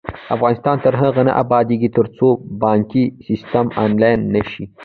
افغانستان تر هغو نه ابادیږي، ترڅو بانکي سیستم آنلاین نشي.